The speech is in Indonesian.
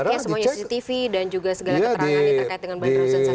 langsung dicek ya semuanya cctv dan juga segala keterangan ini terkait dengan bandara ustaz